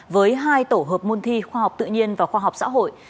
với hai tổ hợp môn thi khoa học tự nhiên và khoa học xã hội